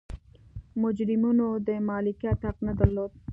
مجرمینو د مالکیت حق نه درلود.